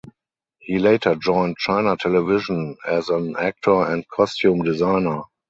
He later joined China Television as an actor and costume designer.